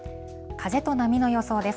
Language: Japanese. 風と波の予想です。